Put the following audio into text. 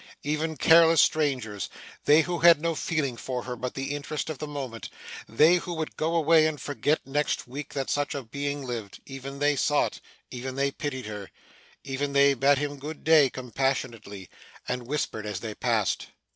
even careless strangers they who had no feeling for her, but the interest of the moment they who would go away and forget next week that such a being lived even they saw it even they pitied her even they bade him good day compassionately, and whispered as they passed.